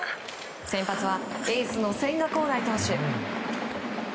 先発はエースの千賀滉大投手。